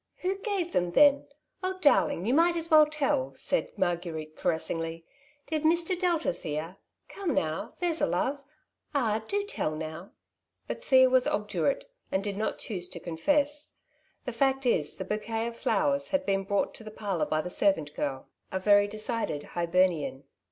'* Who gave them then ? Oh, darling, you might as well tell," said Marguerite caressingly. "Did Mr. Delta, Thea ? Come now, there's a love. Ah ! do tell now !" But Thea was obdurate, and did not choose to confess. The fact is the bouquet of flowers had been brought to the parlour by the servant girl, a very decided Hibernian.